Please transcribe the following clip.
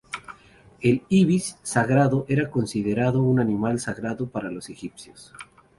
El ibis sagrado era considerado un animal sagrado para los egipcios.